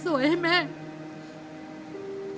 ปฏิแตกวิ่งในหมู่บ้านตอนที่น้องตาย